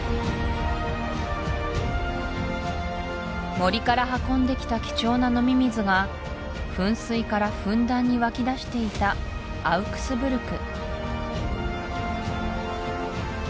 森から運んできた貴重な飲み水が噴水からふんだんに湧き出していたアウクスブルク